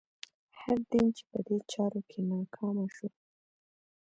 هر دین چې په دې چارو کې ناکامه شو.